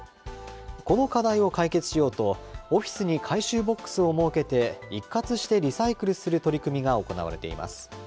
この課題を解決しようと、オフィスに回収ボックスを設けて、一括してリサイクルする取り組みが行われています。